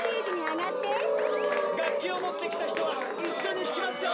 がっきをもってきたひとはいっしょにひきましょう！